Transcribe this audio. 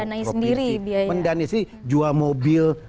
mendanai sendiri biaya mendanai sih jual mobil